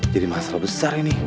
jadi masalah besar ini